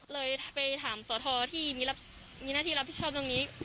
เลยไปถามสทที่มีหน้าที่รับผิดชอบตรงนี้